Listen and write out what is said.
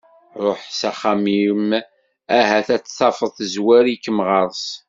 Ruḥ s axxam-im ahat ad tt-tafeḍ tezwar-ikem ɣer-s.